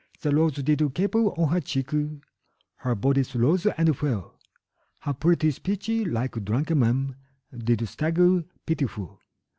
The rose did caper on her cheek, Her bodice rose and fell, Her pretty speech, like drunken men, Did stagger pitiful.